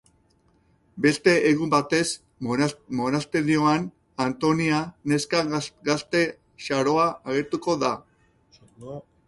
Beste egun batez, monasterioan Antonia neska gazte xaloa agertuko da.